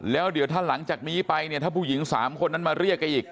แล้วเดี๋ยวถ้าหลังจากนี้ไปเนี่ยถ้าผู้หญิง๓คนนั้นมาเรียกแกอีก